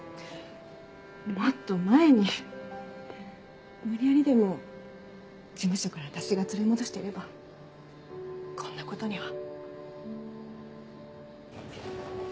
もっと前に無理やりでも事務所から私が連れ戻していればこんなことには。